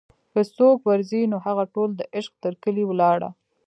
که څوک ور ځي نوهغه ټول دعشق تر کلي ولاړه